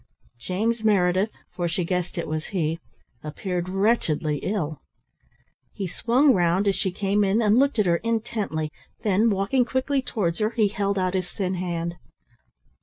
James Meredith, for she guessed it was he, appeared wretchedly ill. He swung round as she came in, and looked at her intently, then, walking quickly towards her, he held out his thin hand.